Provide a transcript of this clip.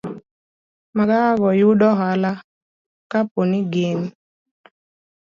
Magawa go yudo ohala kaponi gin